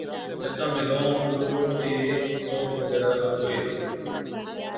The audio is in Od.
جڪا ۾ لونگ، فوٽي، سونف وغيرہ ھُوي ھِتي